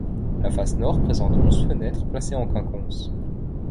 La face nord présente onze fenêtres placées en quinconce.